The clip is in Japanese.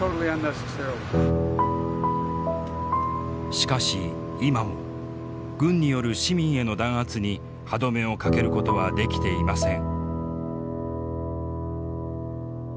しかし今も軍による市民への弾圧に歯止めをかけることはできていません。